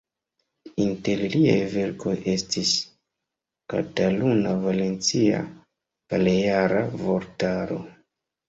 Inter liaj verkoj estis "Kataluna-Valencia-Baleara Vortaro".